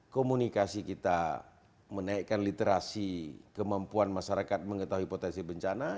komunikasi kita menaikkan literasi kemampuan masyarakat mengetahui potensi bencana